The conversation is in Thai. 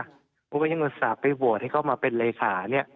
เพราะไม่ใช่อุตส่าห์ไปโหวตให้เขามาเป็นเลขาเนี่ย